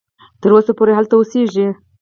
تر اوسه پوري هلته اوسیږي.